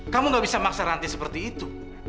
kamu gak bisa maksa rantai seperti itu